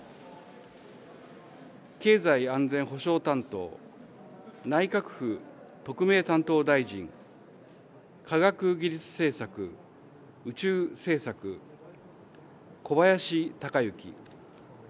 経済安全保障担当、内閣府特命担当大臣、科学技術政策、宇宙政策、小林鷹之。